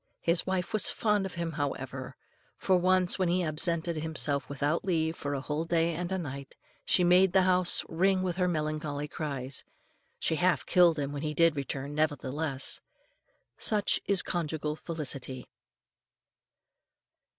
His wife was fond of him, however, for, once, when he absented himself without leave for a whole day and a night, she made the house ring with her melancholy cries. She half killed him when he did return, nevertheless. Such is conjugal felicity.